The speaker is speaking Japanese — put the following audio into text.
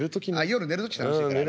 夜寝る時楽しいからね。